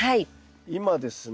今ですね